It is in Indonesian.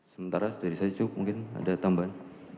sementara dari saya cukup mungkin ada tambahan